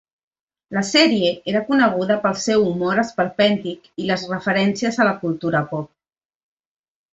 La sèrie era coneguda pel seu humor esperpèntic i les referències a la cultura pop.